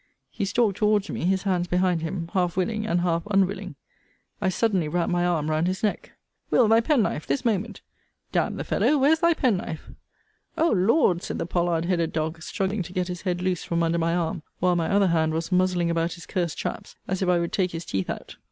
He stalked towards me, his hands behind him, half willing, and half unwilling. I suddenly wrapt my arm round his neck. Will. thy penknife, this moment. D n the fellow, where's thy penknife? O Lord! said the pollard headed dog, struggling to get his head loose from under my arm, while my other hand was muzzling about his cursed chaps, as if I would take his teeth out.